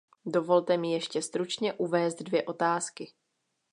Dovolte mi ještě stručně uvést dvě otázky.